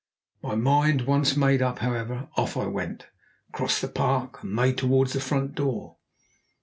My mind once made up, however, off I went, crossed the park, and made towards the front door.